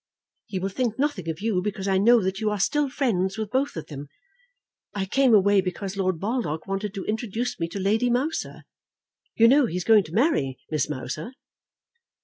He will think nothing of you, because I know that you are still friends with both of them. I came away because Lord Baldock wanted to introduce me to Lady Mouser. You know he is going to marry Miss Mouser."